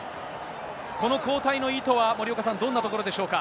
この交代の意図は森岡さん、どんなところでしょうか。